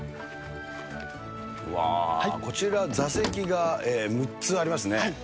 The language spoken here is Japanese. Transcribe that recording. うわー、こちら、座席が６つありますね。